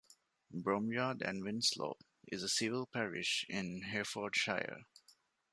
Bromyard and Winslow is a civil parish in Herefordshire.